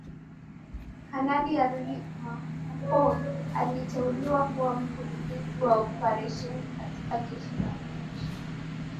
Kanali Ali Mahfoudh aliteuliwa kuwa Mkurugenzi wa Operesheni katika Jeshi la Wananchi